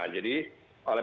jadi oleh pemerintah